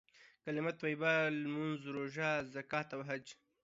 کليمه طيبه، لمونځ، روژه، زکات او حج.